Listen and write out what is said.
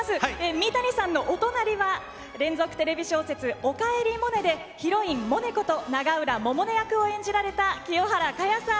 三谷さんのお隣は連続テレビ小説「おかえりモネ」でヒロインモネこと永浦百音役を演じられた清原果耶さん。